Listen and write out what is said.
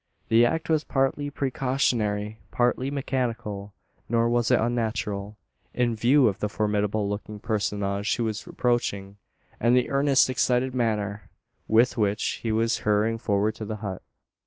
The act was partly precautionary, partly mechanical. Nor was it unnatural, in view of the formidable looking personage who was approaching, and the earnest excited manner with which he was hurrying forward to the hut.